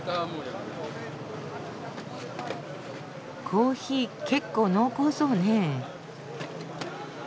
コーヒー結構濃厚そうねえ。